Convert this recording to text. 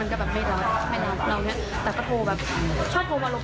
ถ้าประมาณนี้ก็อยากให้ช่วยจับตัวเขา